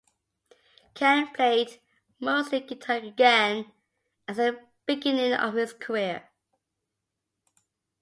Ken played mostly guitar again, as in the beginning of his career.